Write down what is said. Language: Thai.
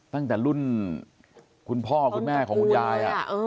ตั้งแต่รุ่นคุณพ่อคุณแม่ของคุณยาย